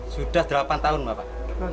sudah delapan tahun bapak